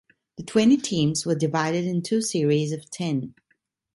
The twenty teams were divided into two series of ten.